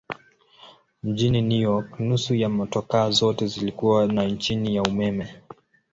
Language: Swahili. Mjini New York nusu ya motokaa zote zilikuwa na injini ya umeme.